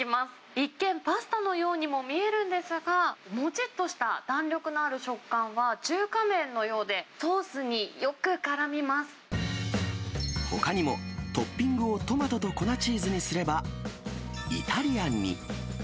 一見、パスタのようにも見えるんですが、もちっとした弾力のある食感は中華麺のようで、ソースにほかにもトッピングをトマトと粉チーズにすれば、イタリアンに。